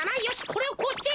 これをこうして。